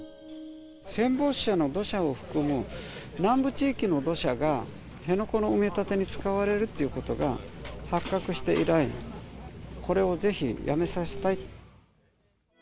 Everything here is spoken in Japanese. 戦没者の土砂を含む南部地域の土砂が、辺野古の埋め立てに使われるっていうことが発覚して以来、これをぜひやめさせたい。